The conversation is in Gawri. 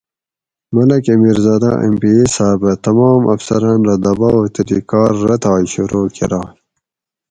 ملک امیر زادہ ایم پی اے صاحبہ تمام افسران رہ دباؤ تلی کار رتھائ شروع کۤراۓ